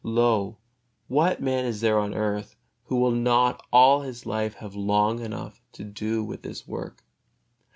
Lo! what man is there on earth, who would not all his life long have enough to do with this work?